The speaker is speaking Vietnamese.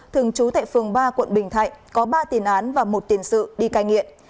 thường trú tại phường ba quận bình thạnh có ba tiền án và một tiền sự đi cai nghiện